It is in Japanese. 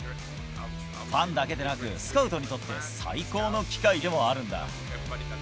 ファンだけでなく、スカウトにとって最高の機会でもあるんだ。